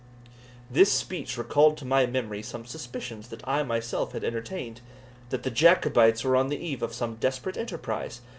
This speech recalled to my memory some suspicions that I myself had entertained, that the Jacobites were on the eve of some desperate enterprise.